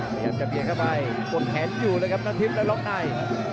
พยายามจะเบียดเข้าไปกดแขนอยู่เลยครับน้ำทิพย์แล้วล็อกใน